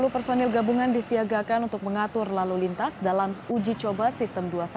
penil gabungan disiagakan untuk mengatur lalu lintas dalam uji coba sistem dua puluh satu